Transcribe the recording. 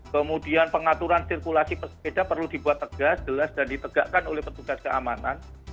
kemudian pengaturan sirkulasi pesepeda perlu dibuat tegas jelas dan ditegakkan oleh petugas keamanan